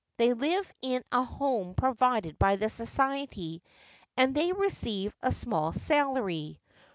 They live in a hom« provided by the society, and they receive a small salary.